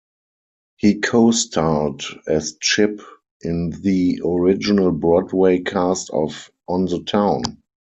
He co-starred as Chip in the original Broadway cast of "On the Town".